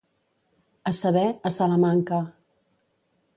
A saber, a Salamanca.